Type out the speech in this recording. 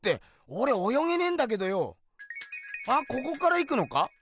あここから行くのか？